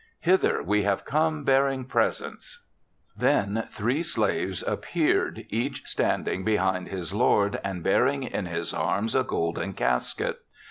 Hither we have come bearing presents/ "Then three slaves appeared, each standing behind his lord and bearing in his arms a golden casket.